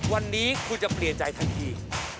วันนี้คุณจะเปลี่ยนใจทันที